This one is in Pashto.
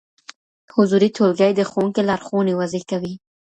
حضوري ټولګي د ښوونکي لارښوونې واضح کوي.